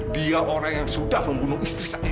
dia orang yang sudah membunuh istri saya